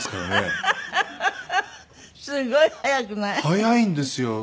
早いんですよ。